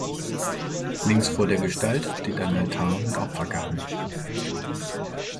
Links vor der Gestalt steht ein Altar mit Opfergaben.